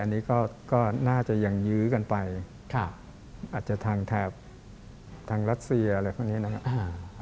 อันนี้ก็น่าจะยังยื้อกันไปอาจจะทางแถบทางรัสเซียอะไรพวกนี้นะครับ